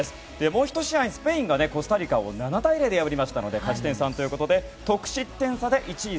もう１試合、スペインがコスタリカを７対０で破りましたので勝ち点３ということで得失点差で１位